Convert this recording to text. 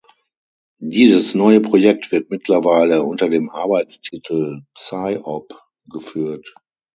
Dieses neue Projekt wird mittlerweile unter dem Arbeitstitel "Psy-Op" geführt.